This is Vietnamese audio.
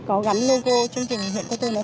có gắn logo chương trình huyện tây tôn